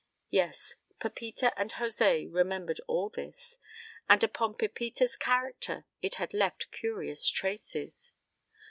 Yes, Pepita and José remembered all this, and upon Pepita's character it had left curious traces.